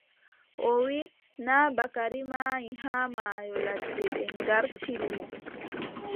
O wiʼi , naa Bakari maayi, haa maayo ladde. ɓe ŋgartiri mo.